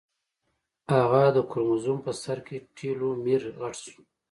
اگه د کروموزوم په سر کې ټيلومېر غټ شو.